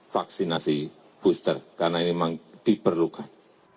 vaksinasi booster karena ini memang diperlukan